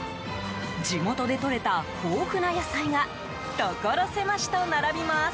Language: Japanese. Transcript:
地元で採れた豊富な野菜がところ狭しと並びます。